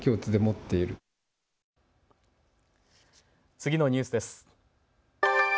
次のニュースです。